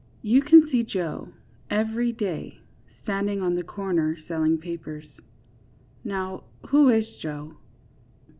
You can see Joe, every day, standing on the corner selling papers. Now, who is Joe?